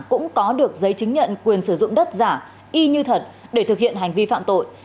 cũng có được giấy chứng nhận quyền sử dụng đất giả y như thật để thực hiện hành vi phạm tội